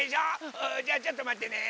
あじゃちょっとまってね。